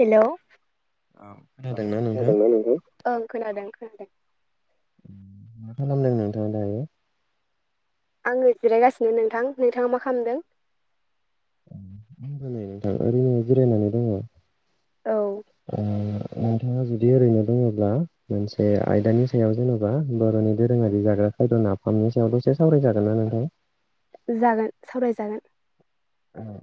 Hello औ खोनादोंना नोंथां? खोनादों ना नोंथां ओं खोनादों खोनादों मा खालामदों नोंथाङा दायो? आङो जिरायगासिनो नोंथां नोंथाङा मा खालामदों? [unintelligible] नोंथां ओरैनो जिरायनानै दङ। औ नोंथाङा जुदि ओरैनो दङब्ला मोनसे आयदानि सायाव जेन'बा बर'नि दोरोङारि जाग्रा खायद' नाफामनि सायाव द'से सावरायजागोन ना नोंथां? जागोन सावरायजागोन ओं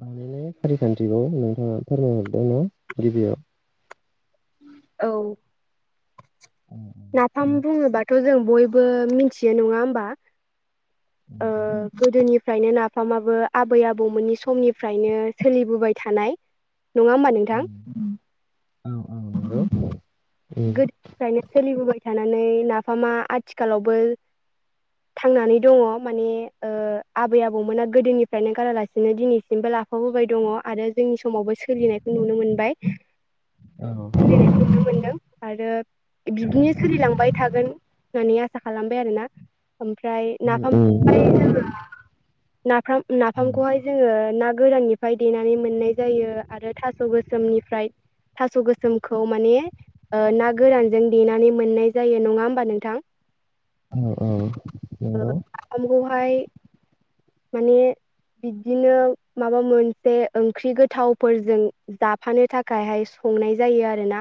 बानायनाय खारिखान्थिखौ नोंथाङा फोरमायहरदों न गिबियाव [inaudible] औ अ दे थ' जों बयबो मिथियो नङा होमबा ओ गोदोनि फ्रायनो नाफामाबो आबै आबौमोननि समनिफ्रायनो सोलिबोबाय थानाय नङा होमबा नोंथां औ नंगौ उम गोदोनिफ्रायनो सोलिबोबाय थानानै नाफामा आथिखालावबो थांनानै दङ माने आबै आबौमोना गोदोनिफ्रायनो गारालासिनो दिनैसिमबो जा लाफाबोबाय दङ आरो जोंनि समावबो सोलिनायखौ नुनो मोनबाय औ नायखौ नुनो मोनदों आरो बिदिनो सोलिलांबाय थागोन। होननानै आसा खालामबाय आरो ना ओमफ्राय उम नाफाम उम [unintelligible] नाफाम नाफामखौहाय जोङो ना गोदाननिफ्राय देनानै मोननाय जायो आरो थास' गोसोमनिफ्राय थास' गोसोमखौ माने ओ ना गोरानजों देनानै मोननाय जायो नङा होमबा नोंथां औ औ नोंगौ नाफामखौहाय माने बिदिनो माबा मोनसे ओंख्रि गोथावफोरजों जाफानो थाखायहाय संनाय जायो आरोना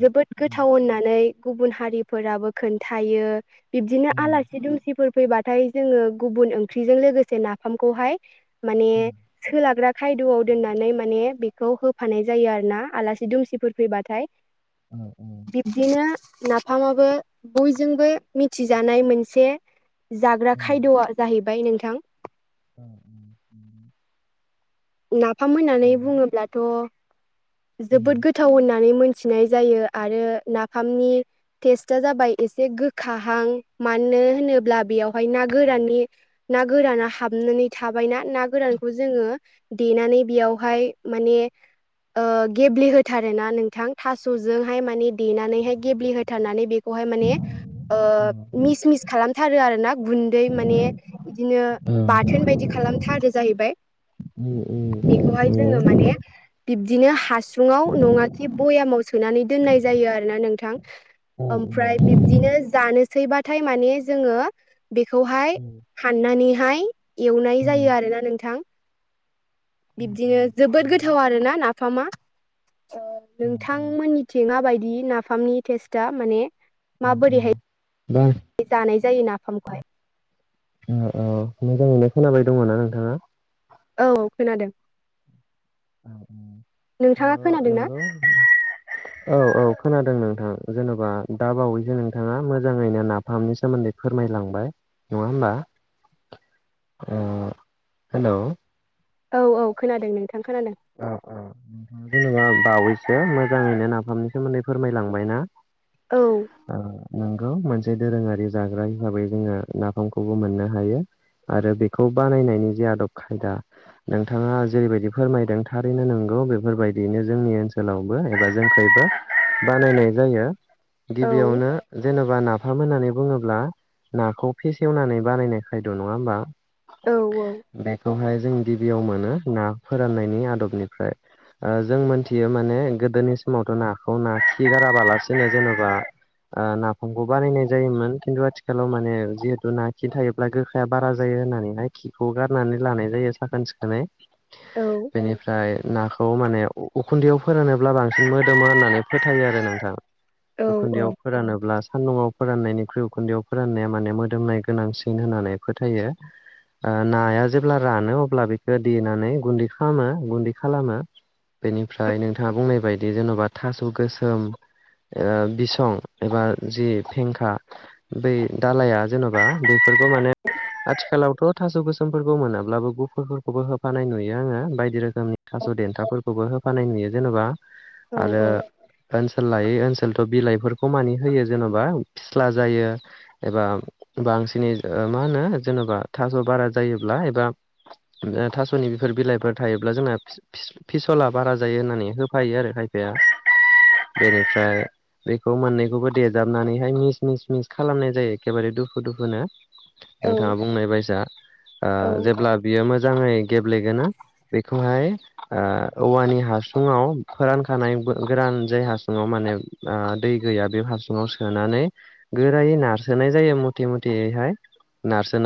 जोबोद उम गोथाव होननानै गुबुन हारिफोराबो खोन्थायो बिबदिनो उम आलासि दुमसिफोर फैबाथाय जोङो गुबुन ओंख्रिजों लोगोसे नाफामखौहाय माने उम सोलाग्रा खायद'आव दोननानै माने बेखौ होफानाय जायो आरो ना आलासि दुमसिफोर फैबाथाय औ औ बिबदिनो नाफामाबो बयजोंबो मिथिजानाय मोनसे जाग्रा खायद'आ जाहैबाय नोंथां औ नाफाम होननानै बुङोब्लाथ' जोबोद गोथाव होननानै मोन नाय जायो आरो नाफामनि टेस्टा जाबाय एसे गोखाहां मानो नो होनोब्ला बेयावहाय ना गोरनिा गोराना हाबनानै थाबायनाा ना गोरानखौ जोङो देनानै बेयावहाय माने गेब्लेहोथारो ना नोंथां थास'जोंहाय माने देनानैहाय गेब्लेहोथारनानै बे खौहाय माने ओ मिस मिस खालामथारो आर ना गुन्दै माने बिदिनो बाथोन बायदि खालामथारो जाहैबाय [inaudible] बेखौहाय जोङो माने बिदिनो हासुङाव नङाखि भयामाव सोनानै दोननाय जायो आरोना नोंथां। ओमफ्राय बिबदिनो जानोसैबाथाय माने जोङो बेखौहाय हाननानैहाय एवनाय जायो आरोना नोंथां बिब्दिनो जोबोद गोथाव आरोना नाफामा ओ नोंथांमोननिथिं माबायदि नाफामनि टेस्टआ माने माबोरैहाय दा जानाय जायो नाफामखौहाय औ औ मोजाङैनो खोनाबाय दङ ना नोंथाङा? औ खोनादों। ओ नोंथाङा खोनादों ना नंगौ औ औ खोनादों नोंथां जेन'बा दा बावैसो नोंथाङा मोजाङैनो नाफामनि सोमोन्दै फोरमायलांबाय नङा होमबा हेलौ औ औ खोनादों नोंथां खोनादों अ जेनङा बावैसो मोजाङैनो नाफामनि सोमोन्दै फोरमायलांबाय ना। औ नोंगौ मोनसे दोरोङारि जाग्रा हिसाबै जोङो नाफामखौबो मोननो हायो आरो बेखौ बानायनायनि जे आदब खायदा नोंथाङा जेरैबायदि फोरमायदों थारैनो नंगौ बेफोरबायदियैनो जोंनि ओनसोलावबो एबा जोंखैबो बानायनाय जायो औ गिबियावनो जेनबा ना फाम होननानै बुङोब्ला नाखौ फेसेवनानै बानायनाय खायद' नङा होमबा औ बेखौहाय जों गिबियाव मोनो ना फोराननायनि आदबनिफ्राय ओ जों मोनथियो माने गोदोनि समावथ' नाखौ ना खि गाराबालासिनो जेन'बा ओ नाफामखौ बारायनाय जायोमोन खिन्थु आथिखालाव माने जिहेतु ना खि थायोब्ला गोखाया बारा जायो होननानैहाय खिखौ गारनानै लानाय जायो साखोन सिखोनै औ फाय नाखौ माने उ उखुन्दैयाव फोरानोब्ला बांसिन मोदोमो होननानै फोथायो आरो नोंथां औ उखुन्दैआव औ फोरानोब्ला सान्दुआव फोराननायनिख्रुइ उखुन्दैआव फोरान्नाया माने मोदोमनाय गोनांसिन होननानै फोथायो ओ नाया जेब्ला रानो अब्ला बेखौ देनानै गुन्दै खालामो गुन्दै खालामो बेनिफ्राय नोंथाङा बुंनाय बायदि जेन'बा थास' गोसोम ओ बिसं एबा जि फेंखा बै दालाया जेन'बा बेफोरखौ माने आथिखालावथ' थास' गोसोमफोरखौ मोनाब्लाबो गुफुरफोरखौबो होफानाय नुयो आङो बायदि रोखोम सोमनि थास' देन्थाफोरखौबो होफानाय नुयो जेनेबा औ आरो ओनसोल लायै ओनसो सोलथ' बिलाइफोरखौ मानि होयो जेन'बा फिस्ला जायो एबा बांसिनै नो मा होनो जेनबा थास' बारा जायोब्ला एबा थास'नि बेफोर बिलाइफोर था ब्ला जोंना फि फि फिसला बारा जायो होननानै होफायो आरो खायफाया बेनिफ्राय बेखौ मोननैखौबो देजाबनानैहाय मिस मिस मिस खालामनाय जायो एखेबारे दुखु दुखुनो औ नोंथाङा बुंनाय बायसा ओ औ जेब्ला बियो मोजाङै गेब्लेगोनो बेखौहाय ओ औवानि हासुङाव फोरानखानाय गोरान जाय हासुङाव माने ओ दै गैया बे हासुङाव सोनानै गोरायै नारसोनाय जायो मुथे मथेहाय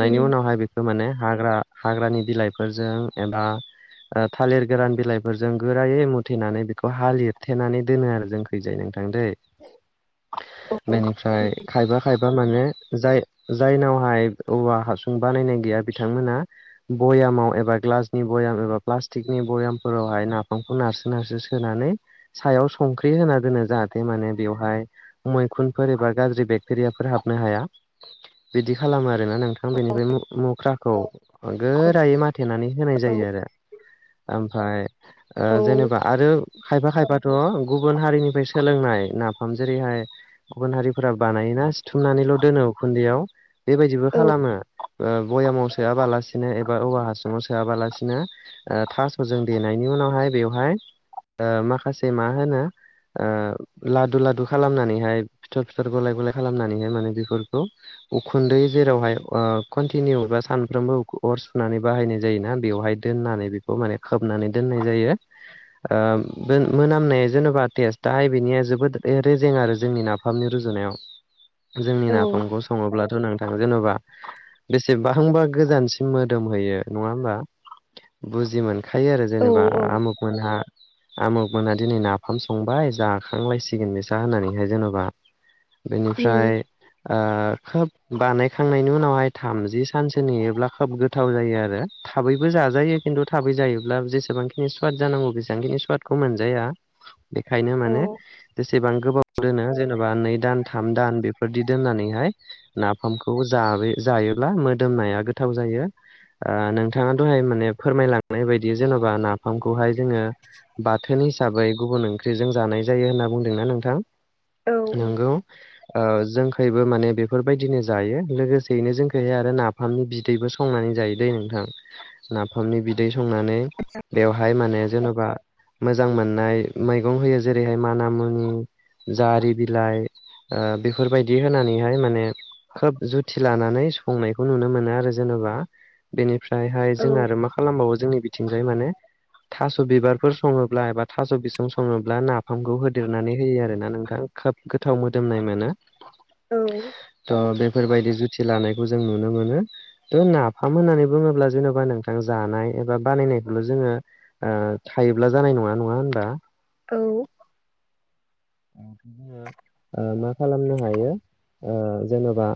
उम उनावहाय बेखौ माने हाग्रा हाग्रानि बिलाइफोरजों एबा ओ थालिर गोरान बिलाइफोरजों गोरायै मुथेनानै बेखौ हा लिरथेनानै दोनो आरो जोंखैजाय नोंथां दै औ बेनिफ्राय खायफा खायफा माने जाय जायनावहाय औवा हासुं बानायनाय गैया बिथांमोना बयामाव एबा ग्ला ग्लासनि बयम बा फ्लास्टिकनि बयामफोरावहाय नाफामखौ नारसो नारसो सोनानै सायाव संख्रि होना दोनो जाहाथे माने बेवहाय मैखुनफोर एबा गाज्रि बेक्टेरियाफोर हाबनो हाया बिदि खालामो आ रोना नोंथां बेनिफ्राय मु मुख्राखौ गोरायै माथेनानै होनाय औ जायो आरो ओमफाय ओ जेनेबा आरो खायफा खायफाथ' गुबुन हारिनिफ्राय सोलोंनाय नाफाम जेरैहाय गुबुन हारिफोरा बानायोना सिथुमनानैल' दोनो उखुन्दैआव बेबायदिबो औ खालामो ओ भयामाव सोआबालासिनो एबा औवा हासुङाव सोआबालासिनो ओ थास'जों देनायनि उनावहाय बेवहाय माखासे मा होनो ओ लादु लादु खालामनानैहाय फिथर फिथर गलाय गलाय खालामनानैहाय माने बेफोरखौ उखुन्दै जेरावहाय ओ कन्टिनिउ बा सानफ्रोमबो अर सुनानै बाहायनाय जायोना बेवहाय दोननानै बेखौ माने खोबनानै दोननाय जायो ओ दोन मोनामनाया जेन'बा टेस्टाहाय बेनिया जोबोद रेजें आरो जोंनि नाफामनि रु जुनायाव जोंनि औ नाफामखौ सङोब्लाथ' नों थां जेन'बा बेसेबांबा गोजानसिम मोदोम हैयो। नङा होमबा? बुजि मोनखायो आरो जेनेबा औ आमुगमोनहा आमुग मोना दिनै नाफाम संबाय जाखांलायसिगोन बेसा होननानैहाय जेन'बा बेनिफ्राय उम ओ खोब बानायखांनायनि उनावहाय थामजि सानसो नेयोब्ला खोब गोथाव जायो आरो थाबैबो जाजायो। खिन्थु थाबै जायोब्ला जेसेबांखिनि सुवाद जानांगौ बेसेबांखिनि सुवादखौ मोनजाया। बेखायनो औ माने जेसेबां गोबाव दोनो जेनेबा नै दान थाम दान बेफोरदि दोननानैहाय नाफामखौ जाबे जायोब्ला मोदोमनाया गोथाव जायो। यो ओ नोंथाङा दहाय माने फोरमायलांनाय बायदि जेन'बा नाफामखौहाय जोङो बाथोन हिसाबै गुबुन ओंख्रिजों जानाय जायो होनना बुंदोंना नोंथां? औ नोंगौ ओ जों हायबो माने बेफोरबायदिनो जायो लोगोसेयैनो जोंखौहाय आरो नाफामनि बिदैबो संनानै जायो दैे नोंथां। नाफामनि बिदै संनानै आतसा बेवहाय माने जेन'बा मोजां मोननाय मैगं होयो जेरैहाय माना मुनि जारि बिलाइ ओ बेफोरबायदि होनानैहाय माने खोब जुथि लानानै सुफंनायखौ नुनो मोनो आरो जेन' बा बेनिफ्रायहाय औ जोंङो आरो मा खालामबावो जोंनि बिथिंजाय माने थास' बिबारफोर सङोब्ला एबा थास' बिसं सङोब्ला नाफामखौ होदेरनानै होयो आरोना नोंथां। खोब गोथाव मोदोमनाय मोनो। औ फोरबायदि जुथि लानायखौ जों नुनो मोनो। थ' नाफाम होननानै बुङोब्ला जेन'बा नों आं जानाय एबा बानायनायखौल' जोङो ओ थायोब्ला जानाय नङा। नङा होनबा? औ ओ मा खालामनो हायो ओ जेन'बा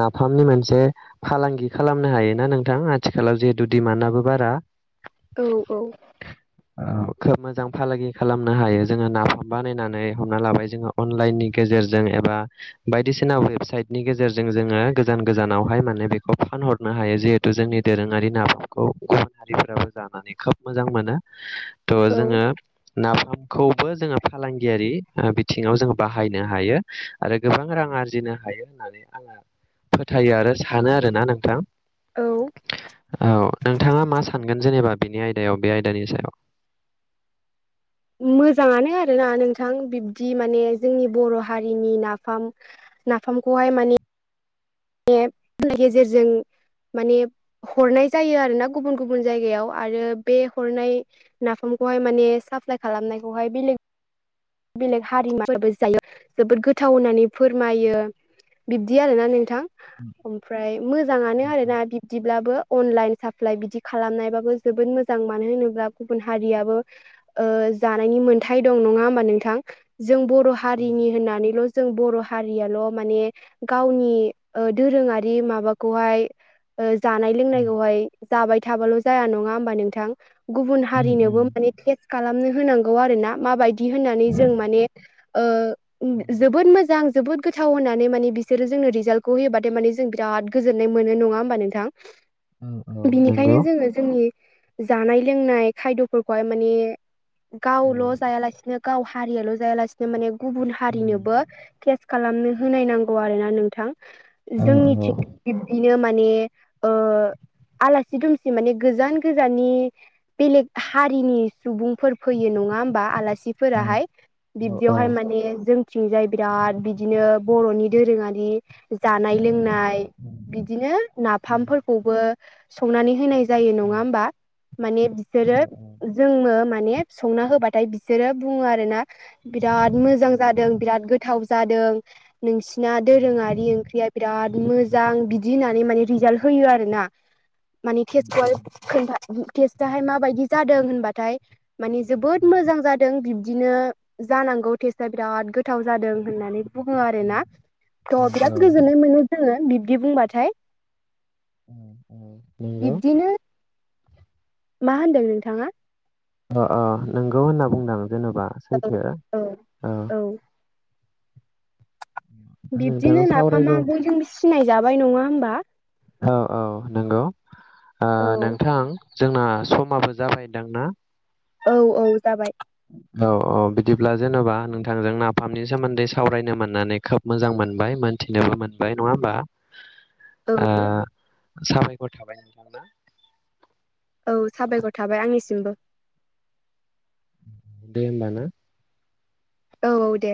नाफामनि मोनसे फालांगि खालामनो हायोना नोंथां आथिखालाव जेथु दिडिमानआबो बारा। औ औ औ, खोब मोजां फालांगि खालामनो हायो जोङो नाफाम बानायनानै। हमना लाबाय जोङो अनलाइननि गेजेरजों एबा बायदिसिना वेबसाइटनि गेजेरजों जोङो गोजान गोजानावहाय माने बेखौ फानहरनो हायो जिहेथु जोंनि दोरोङारि नाादफोरखौ गुबुन हारिफोराबो जाना नानै खोब मोजां मोनो थ' औ जोङो नाफामखौबो जोङो फालांगियारि आ बिथिङाव जोङो बाहायनो हायो आरो गोबां रां आरजिनो हायो होननानै आङो फोथायो आरो सानो आरोना नोंथां औ औ नोंथाङा मा सान मोनगोन जेनेबा बिनि आयदायाव बे आयदानि सायाव। मोजाङानो आरोना नोंथां बिब्दि माने जोंनि बर' हारिनि नाफाम नाफामखौहाय माने [inaudible] गेजेरजों माने हरनाय जायो आरो ना गुबुन गुबुन जायगायाव आरो बे हरनाय नाफाम खौहाय माने साप्लाइ खालामनायखौहाय बेलेग बेलेग हा [inaudible] जायो जोबोद गोथाव होननानै फोरमायो। बिब्दि आरोना नोंथां ओमफ्राय मोजाङानो आरोना बिब्दिब्लाबो। अनलाइन साप्लाइ बिदि खालामनायबाबो जोबोद मोजां मानो होनोब्ला गुबुन हारियाबो ओ जानायनि मोन्थाय दं नङा होमबा नों थां जों बर' हारिनि होननानैल' जों बर' हारियाल' माने गावनि ओ दोरोङारि माबाखौहाय ओ जानाय उम लोंनायखौहाय जाबाय थाबाल' जाया नङा होमबा नोंथां। गुबुन उम हारिनोबो माने टेस्ट खालामनो होनांगौ आरो ना माबायदि होननानै उम जों माने ओ जोबोद मोजां जोबोद गोथाव होननानै माने बिसोरो जोंनो रिजाल्टखौ होयोबाथायमाने जों बिराद गोजोन्नाय मोनो। नङा होमबा नोंथां? बिनिखायनो जोङो जोंनि जानाय लोंनाय खायद'फोरखौहाय माने औ गावल' जायालासिनो गाव हारियाल' जायालासिनो माने गुबुन हारिनोबो थेस खालामनो होनाय नांगौ आरो ना नोंथां औ नंगौ जोंनिथि बिब्दिनो माने ओ आलासि दुमसि माने गोजान गोजाननि बेलेग हारिनि सुबुंफोर फैयो न ङा होमबा आलासिफोराहाय। औ औ बिब्दियावहाय औ माने जों थिंजाय बिराद बिदिनो बर'नि दोरोङारि जानाय लोंनाय बिदिनो नाफामफोरखौबो संनानै होनाय जायो नंङा होमबा माने औ बिसोरो औ जोंङो माने संना होबाथाय बिसोरो बुंङो आरो ना बिराद मोजां जादों बिराद गोथाव जादों नोंसिना दोरोंङारि ओंख्रिया बिराद मोजां बिदि होननानै माने रिजाल्ट होयो आरोना माने टेस्टखौ खोनथा टेस्टाहाय माबायदि जादों होनबाथाय माने जोबोद मोजां जादों बिब्दिनो जानांगौ टेस्टआ बिराद गोथाव जादों होननानै बुंङो आरो ना थ' बिराद गोजोननाय मोनो जोंङो बिब्दि बुंबाथाय औ औ नंगौ बिब्दिनो मा होनदों नोंथांङा अ अ नंगौ होनना बुंदों जेन'बा औ सैथो औ बिब्दिनो नोंथां नाफामा सावरायगौ बयजोंबो सिनाय जाबाय नंङा होनबा औ - औ नंगौ औ नोंथां जोंना समाबो जाबायदांना औ - औ जाबाय औ - औ बिदिब्ला जेन'बा नोंथांजों नाफामनि सोमोन्दै सावरायनो मोननानै खोब मोजां मोनबाय मोनथिनोबो मोनबाय नंङा होमबा औ साबायखर थाबाय नोंथां औ साबायखर थाबाय आंनिसिमबो दे होमबा ना औ - औ दे